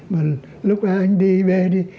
mà lúc đó anh đi bè đi